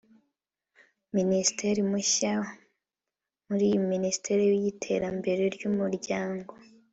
Minisitiri mushya muri Minisiteri y’iterambere ry’Umuryango